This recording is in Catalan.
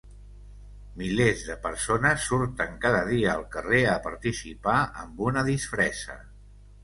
Milers de persones surten cada dia al carrer a participar amb una disfressa.